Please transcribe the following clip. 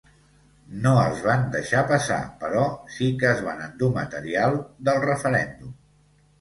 No els van deixar passar però sí que es van endur material del referèndum.